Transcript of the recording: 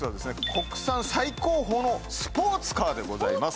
国産最高峰のスポーツカーでございます